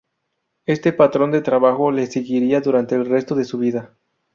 Este patrón de trabajo le seguiría durante el resto de su vida.